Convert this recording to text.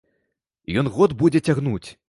Ён год будзе цягнуць!